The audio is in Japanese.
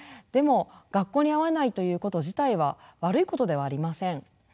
でも学校に合わないということ自体は悪いことではありません。